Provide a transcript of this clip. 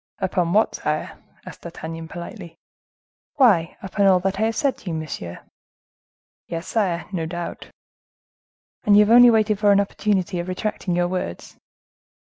"Upon what, sire?" asked D'Artagnan, politely. "Why, upon all that I have said to you, monsieur." "Yes, sire, no doubt—" "And you have only waited for an opportunity of retracting your words?"